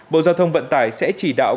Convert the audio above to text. bộ giao thông vận tải sẽ chỉ đạo